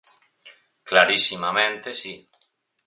Clarisimamente, si.